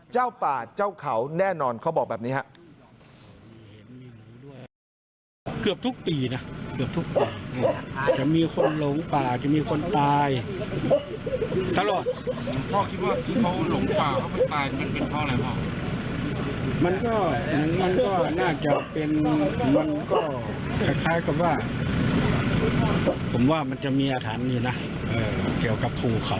เจ้าป่าเจ้าเขาแน่นอนเขาบอกแบบนี้ครับ